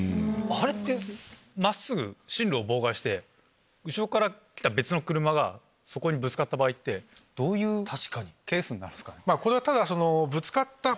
あれって真っすぐ進路を妨害して後ろから来た別の車がそこにぶつかった場合ってどういうケースになるんすか？